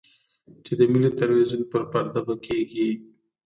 چې د ملي ټلویزیون پر پرده به کېږي.